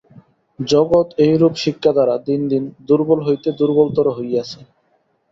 জগৎ এইরূপ শিক্ষা দ্বারা দিন দিন দুর্বল হইতে দুর্বলতর হইয়াছে।